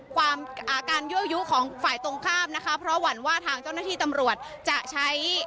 ความอ่าการยั่วยุของฝ่ายตรงข้ามนะคะเพราะหวั่นว่าทางเจ้าหน้าที่ตำรวจจะใช้